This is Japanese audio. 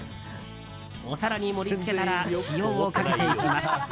お皿に盛りつけたら塩をかけていきます。